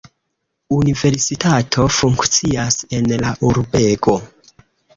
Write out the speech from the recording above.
Universitato funkcias en la urbego.